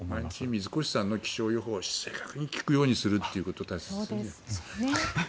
水越さんの気象予報を正確に聞くようにするのが大切ってことですね。